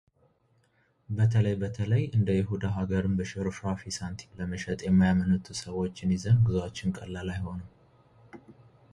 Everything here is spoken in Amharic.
በተለይ በተለይ እንደ ይሁዳ ሀገርን በሽርፍራፊ ሳንቲም ለመሸጥ የማያመነቱ ሰዎችን ይዘን ጉዟችን ቀላል አይሆንም